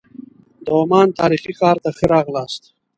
د عمان تاریخي ښار ته ښه راغلاست.